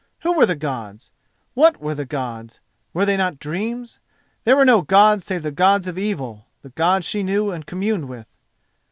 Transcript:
Who were the Gods? What were the Gods? Were they not dreams? There were no Gods save the Gods of Evil—the Gods she knew and communed with.